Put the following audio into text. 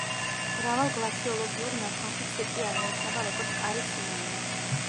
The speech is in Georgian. მრავალ გლაციოლოგიურ ნაშრომში ცირკი აღინიშნება როგორც კარის სინონიმი.